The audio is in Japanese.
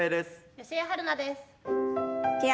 吉江晴菜です。